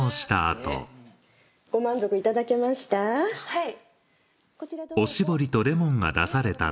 はい。